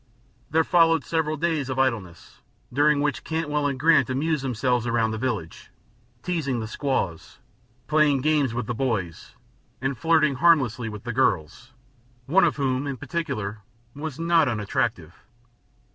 There followed several days of idleness, during which Cantwell and Grant amused themselves around the village, teasing the squaws, playing games with the boys, and flirting harmlessly with the girls, one of whom, in particular, was not unattractive.